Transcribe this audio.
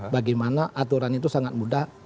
bagaimana aturan itu sangat mudah